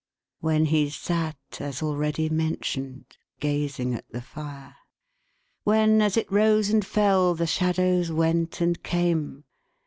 When he sat, as already mentioned, gazing at the fire. When, as it rose and fell, the shadows went and came.